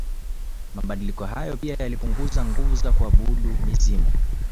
Mabadiliko hayo pia yalipunguza nguvu ya kuabudu mizimu